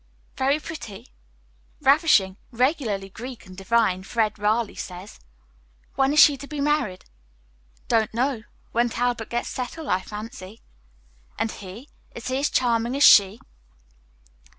"Very pretty?" "Ravishing, regularly Greek and divine, Fred Raleigh says." "When is she to be married?" "Don't know; when Talbot gets settled, I fancy." "And he? Is he as charming as she?"